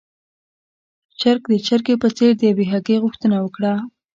چرګ د چرګې په څېر د يوې هګۍ غوښتنه وکړه.